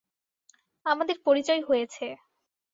আমাদের পরিচয় হয়েছে।